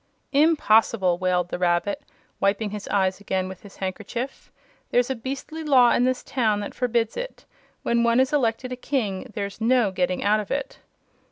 "Impossible!" wailed the Rabbit, wiping his eyes again with his handkerchief. "There's a beastly law in this town that forbids it. When one is elected a King, there's no getting out of it."